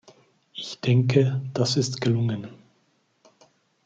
Ich denke, das ist gelungen.